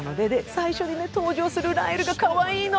最初に登場するライルがかわいいの。